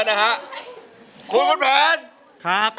ถ้ารู้ด้วยครับ